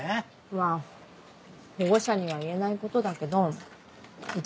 まぁ保護者には言えないことだけどうち